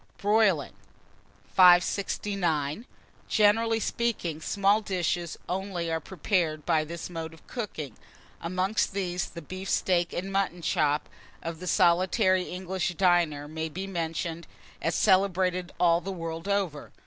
BROILING. [Illustration: REVOLVING GRIDIRON.] 569. GENERALLY SPEAKING, small dishes only are prepared by this mode of cooking; amongst these, the beef steak and mutton chop of the solitary English diner may be mentioned as celebrated all the world over.